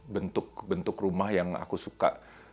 bentuk bentuk rumah yang aku suka